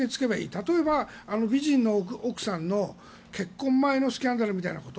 例えば、美人の奥さんの結婚前のスキャンダルみたいなこと。